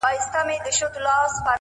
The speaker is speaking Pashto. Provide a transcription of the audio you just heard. د نورو بریا ستایل لویوالی دی.!